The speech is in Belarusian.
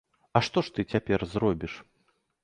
А што ж ты цяпер зробіш?